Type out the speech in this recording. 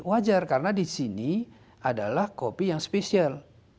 wajar karena di sini adalah kopi yang spesial